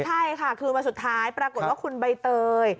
ใช่ค่ะคืนวันสุดท้ายปรากฏว่าคุณใบเตย